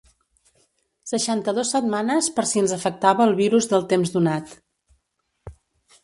Seixanta-dos setmanes per si ens afectava el virus del temps donat.